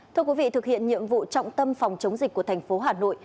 thưa quý vị thực hiện nhiệm vụ trọng tâm phòng chống dịch của thành phố hà nội